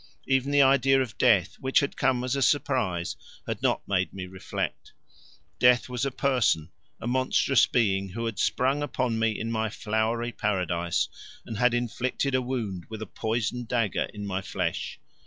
Even the idea of death, which had come as a surprise, had not made me reflect. Death was a person, a monstrous being who had sprung upon me in my flowery paradise and had inflicted a wound with a poisoned dagger in my flesh.